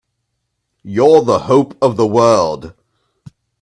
You're the hope of the world!